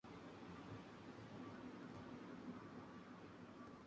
Son numerosos los recursos audiovisuales desarrollados por esta fundación.